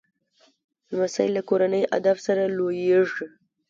لمسی له کورني ادب سره لویېږي